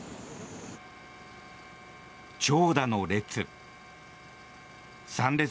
長蛇の列。